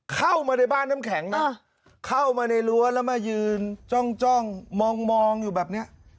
เข้ามาในบ้านน้ำแข็งนะเข้ามาในรั้วแล้วมายืนจ้องมองอยู่แบบเนี้ย